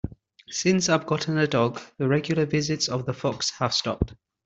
Since I've gotten a dog, the regular visits of the fox have stopped.